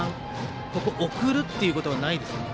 ここ、送るということはないですか？